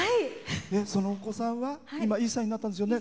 そのお子さんは今、１歳になったんですよね。